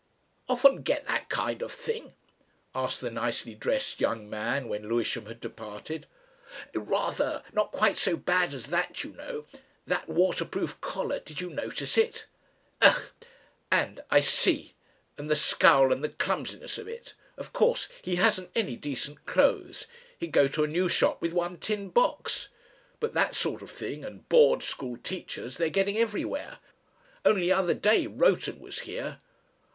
"Often get that kind of thing?" asked the nicely dressed young man when Lewisham had departed. "Rather. Not quite so bad as that, you know. That waterproof collar did you notice it? Ugh! And 'I see.' And the scowl and the clumsiness of it. Of course he hasn't any decent clothes he'd go to a new shop with one tin box! But that sort of thing and board school teachers they're getting everywhere! Only the other day Rowton was here."